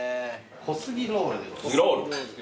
小杉ロールでございます。